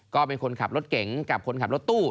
ก็เป็นคนขับรถเก่งกับคนขับรถตู้